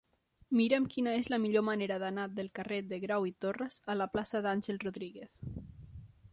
Mira'm quina és la millor manera d'anar del carrer de Grau i Torras a la plaça d'Àngel Rodríguez.